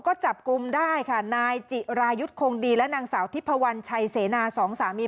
ก็จับกลุ่มได้ค่ะนายจิรายุทธ์คงดีและนางสาวทิพวันชัยเสนาสองสามี